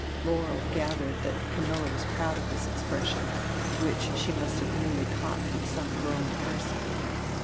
Laurel gathered that Camilla was proud of this expression, which she must have newly caught from some grown person.